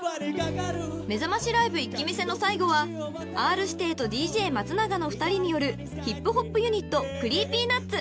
［めざましライブ一気見せの最後はＲ−指定とＤＪ松永の２人によるヒップホップユニットＣｒｅｅｐｙＮｕｔｓ。